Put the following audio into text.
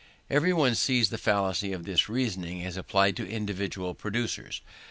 Every one sees the fallacy of this reasoning as applied to individual producers.